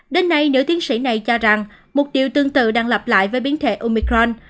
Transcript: đến nay nữ tiến sĩ này cho rằng một điều tương tự đang lặp lại với biến thể omicron